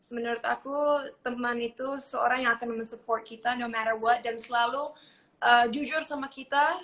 menurut aku teman itu seseorang yang akan menge support kita tidak apapun dan selalu jujur sama kita